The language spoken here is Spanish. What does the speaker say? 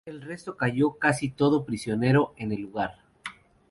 El resto cayó casi todo prisionero en el lugar.